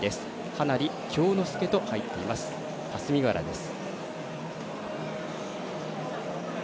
羽成恭之介と入っています霞ヶ浦です。